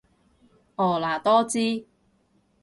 婀娜多姿